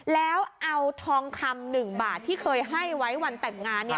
แล้วเอาทองคำ๑บาทที่เคยให้ไว้วันแต่งงาน